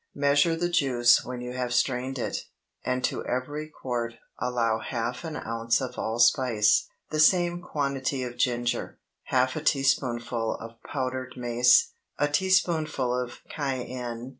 Measure the juice when you have strained it, and to every quart allow half an ounce of allspice, the same quantity of ginger, half a teaspoonful of powdered mace, a teaspoonful of cayenne.